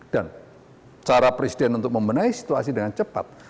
dan cara presiden untuk membenahi situasi dengan cepat